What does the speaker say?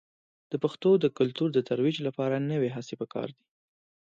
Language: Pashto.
د پښتو د کلتور د ترویج لپاره نوې هڅې په کار دي.